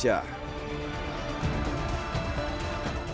diperlukan oleh lebih dari tiga orang